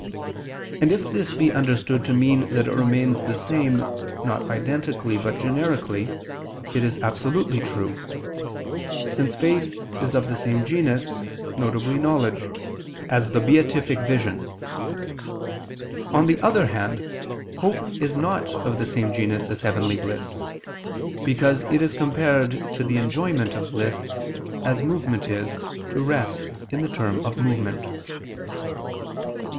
And if this be understood to mean that it remains the same, not identically but generically, it is absolutely true; since faith is of the same genus, viz. knowledge, as the beatific vision. On the other hand, hope is not of the same genus as heavenly bliss: because it is compared to the enjoyment of bliss, as movement is to rest in the term of movement.